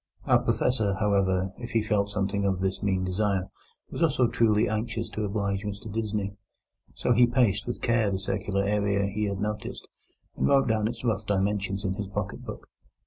Our Professor, however, if he felt something of this mean desire, was also truly anxious to oblige Mr Disney. So he paced with care the circular area he had noticed, and wrote down its rough dimensions in his pocket book.